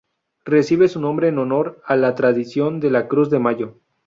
Recibe su nombre en honor a la tradición de la cruz de mayo.